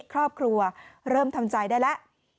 ครอบครัวเริ่มทำใจได้แล้ว